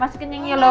masukin yang ini loh